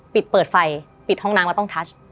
เปิดเปิดไฟปิดห้องน้ำแล้วต้องทัช